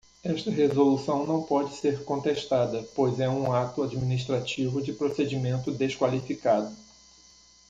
Esta resolução não pode ser contestada, pois é um ato administrativo de procedimento desqualificado.